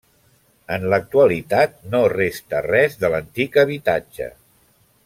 En l'actualitat no resta res de l'antic habitatge.